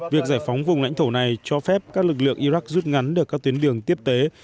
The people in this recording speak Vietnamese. việc giải phóng vùng lãnh thổ này cho phép các lực lượng iraq rút ngắn được các tuyến đường tiếp tế